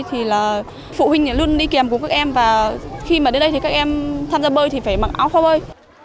thì là phụ huynh luôn đi kèm cùng các em và khi mà đến đây thì các em tham gia bơi thì phải mặc áo kho bơi